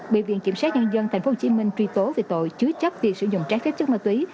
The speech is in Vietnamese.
bị viện kiểm sát nhân dân tp hcm truy tố về tội chứa chấp việc sử dụng trái phép chất ma túy